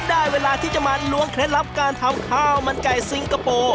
ได้เวลาที่จะมาล้วงเคล็ดลับการทำข้าวมันไก่ซิงคโปร์